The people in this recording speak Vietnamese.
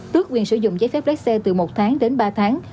tước quyền sử dụng giấy phép lái xe từ một tháng đến ba tháng